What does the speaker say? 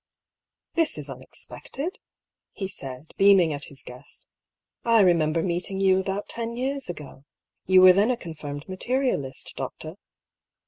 " This is unexpected," he said, beaming at his guest " I remember meeting you about ten years ago. You were then a confirmed materialist, doctor."